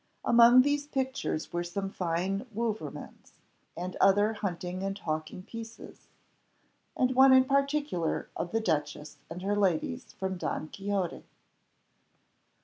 Among these pictures were some fine Wouvermans, and other hunting and hawking pieces, and one in particular of the duchess and her ladies, from Don Quixote.